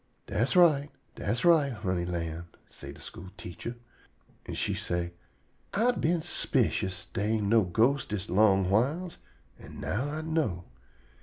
"Das right; das right, honey lamb," say de school teacher. An' she say: "I been s'picious dey ain' no ghostes dis long whiles, an' now I know.